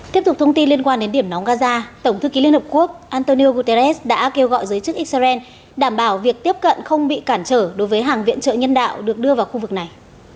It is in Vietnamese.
tiếp tục thông tin liên quan đến điểm nóng gaza tổng thư ký liên hợp quốc antonio guterres đã kêu gọi giới chức israel đảm bảo việc tiếp cận không bị cản trở đối với hàng viện trợ nhân đạo được đưa vào khu vực này